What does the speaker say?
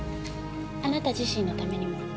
あなた自身のためにも。